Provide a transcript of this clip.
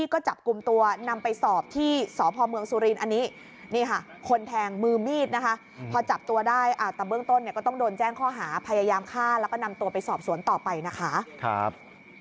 ก็นำตัวไปสอบสวนต่อไปนะคะครับ